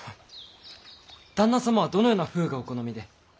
旦那様はどのような風がお好みで。